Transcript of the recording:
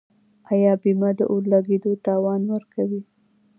آیا بیمه د اور لګیدو تاوان ورکوي؟